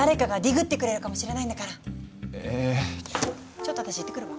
ちょっと私行ってくるわ。